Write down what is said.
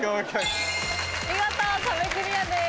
見事壁クリアです。